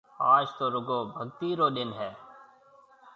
آج تو رُگو ڀگتِي رو ڏن هيَ۔